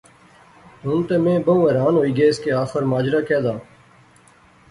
ہن تے میں بہوں حیران ہوئی گیس کہ آخر ماجرا کہہ دا؟